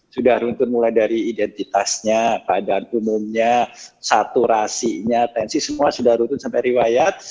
sudah runtun mulai dari identitasnya keadaan umumnya saturasinya tensi semua sudah runtun sampai riwayat